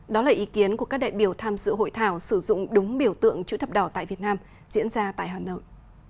đó là ý kiến của các đại biểu tham dự hội thảo sử dụng đúng biểu tượng chữ thập đỏ tại việt nam diễn ra tại hà nội